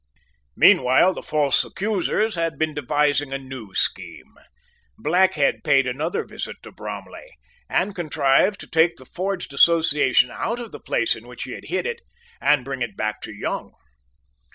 Meanwhile the false accusers had been devising a new scheme. Blackhead paid another visit to Bromley, and contrived to take the forged Association out of the place in which he had hid it, and to bring it back to Young.